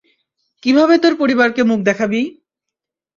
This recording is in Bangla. কিভাবে তোর পরিবারকে মুখ দেখাবি?